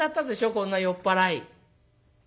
こんな酔っ払い」。